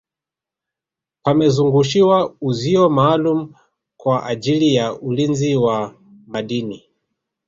pamezungushiwa uzio maalumu kwa ajili ya ulinzi wa madini